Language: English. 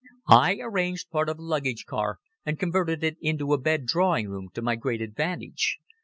I arranged part of a luggage car and converted it into a bed drawing room, to my great advantage.